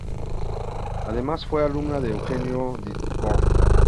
Además, fue alumna de Eugenio Dittborn.